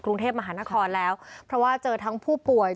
กรุงเทพมหานครแล้วเพราะว่าเจอทั้งผู้ป่วย